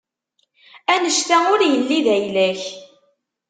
Annect-a ur yelli d ayla-k.